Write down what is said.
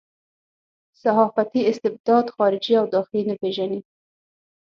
صحافتي استبداد خارجي او داخلي نه پېژني.